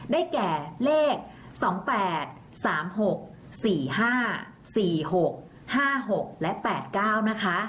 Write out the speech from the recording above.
ได้แก่เลข๒๘๓๖๔๕๔๖๕๖และ๘๙นะคะ